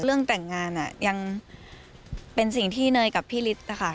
เรื่องแต่งงานยังเป็นสิ่งที่เนยกับพี่ฤทธิ์นะคะ